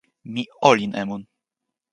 mi olin e mun.